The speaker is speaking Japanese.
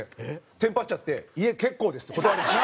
テンパっちゃって「いえ結構です」って断りました。